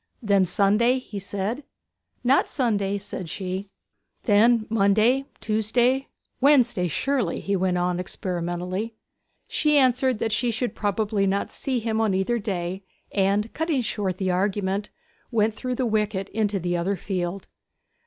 'Then Sunday?' he said. 'Not Sunday,' said she. 'Then Monday Tuesday Wednesday, surely?' he went on experimentally. She answered that she should probably not see him on either day, and, cutting short the argument, went through the wicket into the other field.